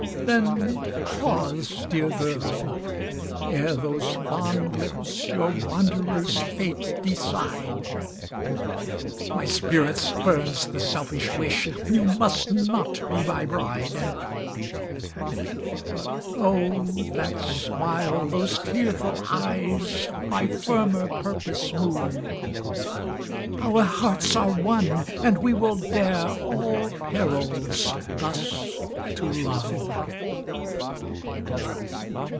Then pause, dear girl! ere those fond lips Your wanderer's fate decide; My spirit spurns the selfish wish You must not be my bride. But oh, that smile those tearful eyes, My firmer purpose move Our hearts are one, and we will dare All perils thus to love!